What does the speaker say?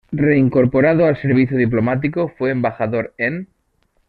Reincorporado al servicio diplomático, fue embajador en.